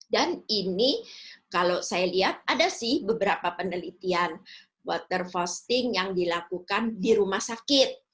dan ini kalau saya lihat ada sih beberapa penelitian water fasting yang dilakukan di rumah sakit